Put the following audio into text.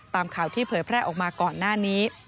ตามข่าวที่เผยแพร่ออกมาก่อนหน้านี้